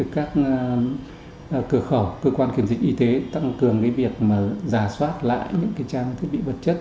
các cửa khẩu cơ quan kiểm dịch y tế tăng cường việc giả soát lại những trang thiết bị vật chất